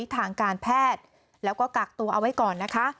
ทางการแพทย์แล้วก็กักตัวเอาไว้ก่อนนะคะ